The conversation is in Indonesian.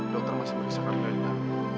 dokter masih berusaha mengayunkan